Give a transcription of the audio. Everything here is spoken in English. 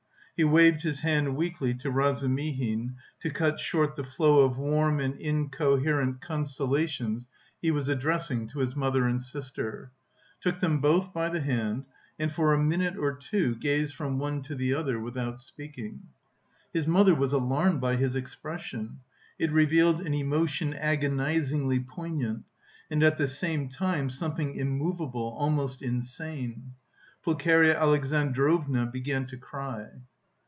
He waved his hand weakly to Razumihin to cut short the flow of warm and incoherent consolations he was addressing to his mother and sister, took them both by the hand and for a minute or two gazed from one to the other without speaking. His mother was alarmed by his expression. It revealed an emotion agonisingly poignant, and at the same time something immovable, almost insane. Pulcheria Alexandrovna began to cry.